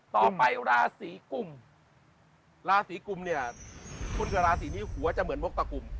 ต่อไปราศีกุมราศีกุมเนี่ยคนเกิดราศีนี้หัวจะเหมือนมกตะกุ่ม